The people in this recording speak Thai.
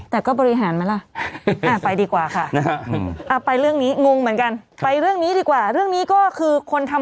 แต่ก็บริหารมาล่ะ